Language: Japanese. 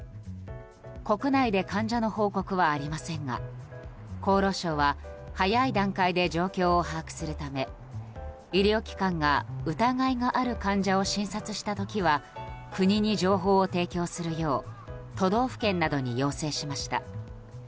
国内で患者の報告はありませんが厚労省は早い段階で状況を把握するため医療機関が疑いがある患者を診察した時は国に情報を提供するよう都道府県などに要請しました。